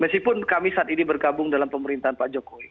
meskipun kami saat ini bergabung dalam pemerintahan pak jokowi